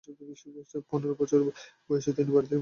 পনের বছর বয়সে তিনি বাড়ি থেকে পালিয়ে যান।